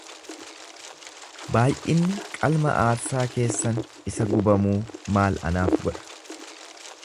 Baay'inni qalma aarsaa keessan isa gubamuu maal anaaf godha?